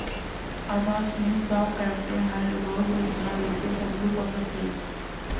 "Advanced" means the character has evolved within a later subgroup of the clade.